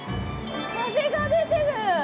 風が出てる！